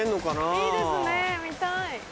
いいですね見たい。